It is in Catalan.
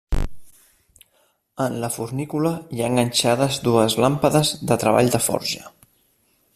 En la fornícula hi ha enganxades dues làmpades de treball de forja.